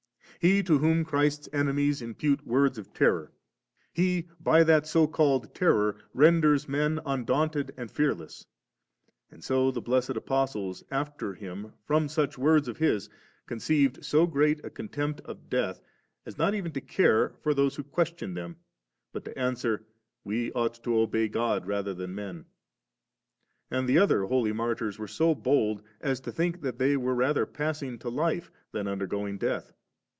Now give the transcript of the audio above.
He to whom Christ's enemies impute words of terror, He by that so called ♦ terror renders men un daunted and fearless. And so the Bkssed Apostles after Him from such words of His conceived so great a contempt of death, as not even to care for those who questioned them, but to answer, * We ought to obey God rather than men 5/ And Uie other Holy Martyrs were so bold, as to think that they were rather passing to life than undergoing death.